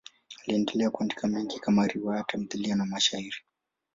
Aliendelea kuandika mengi kama riwaya, tamthiliya na mashairi.